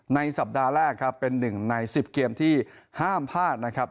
สัปดาห์แรกครับเป็นหนึ่งใน๑๐เกมที่ห้ามพลาดนะครับ